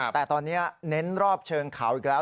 แต่ตอนนี้เน้นรอบเชิงเขาอีกแล้ว